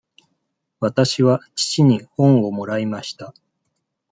わたしは父に本をもらいました。